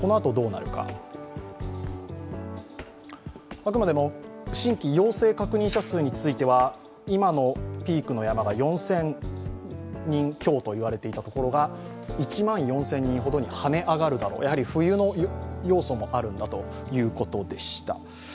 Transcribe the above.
あくまでも新規陽性確認者数については、今のピークの山が４０００人強といわれていたところが１万４０００人くらいに跳ね上がるだろう、やはり冬の要素もあるんだということでした。